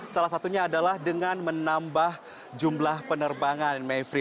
salah satunya adalah dengan menambah jumlah penerbangan mayfrey